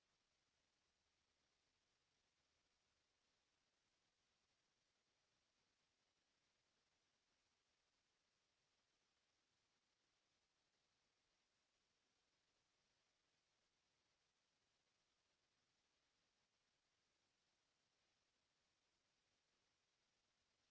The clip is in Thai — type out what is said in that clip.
โปรดติดตามต่อไป